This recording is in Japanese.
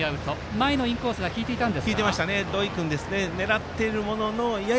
前のインコースがきいていたんですか。